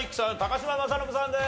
嶋政伸さんです。